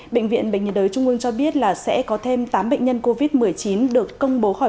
bệnh viện bệnh nhiệt đới trung ương cho biết là sẽ có thêm tám bệnh nhân covid một mươi chín được công bố khỏi